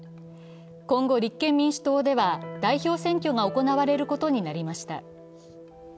今後、立憲民主党では代表選挙が行われることになりました。